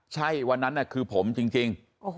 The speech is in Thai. ใช่วันนั้นคือผมจริง